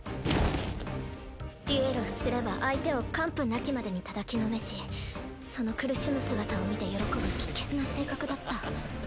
デュエルをすれば相手を完膚なきまでに叩きのめしその苦しむ姿を見て喜ぶ危険な性格だった。